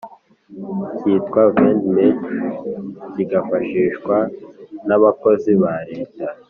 ikitwa Vade Mecum kifashishwaga n abakozi ba Leta